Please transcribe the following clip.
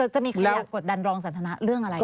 จะมีคนอยากกดดันรองสันทนาเรื่องอะไร